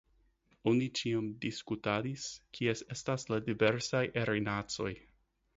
Oni ĉiam diskutadis, kies estas la diversaj erinacoj.